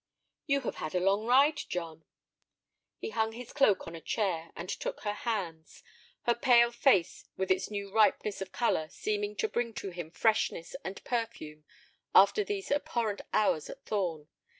"You have had a long ride, John." He hung his cloak on a chair and took her hands, her pale face with its new ripeness of color seeming to bring to him freshness and perfume after these abhorrent hours at Thorn.